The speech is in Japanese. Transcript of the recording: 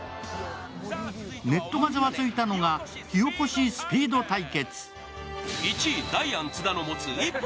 ネットがザワついたのが火おこしスピード対決。